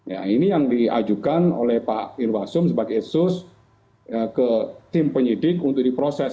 ya ini yang diajukan oleh pak irwasum sebagai itsus ke tim penyidik untuk diproses